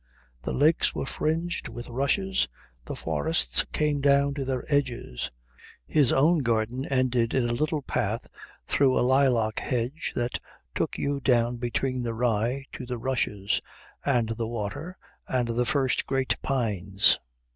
The lakes were fringed with rushes; the forests came down to their edges; his own garden ended in a little path through a lilac hedge that took you down between the rye to the rushes and the water and the first great pines.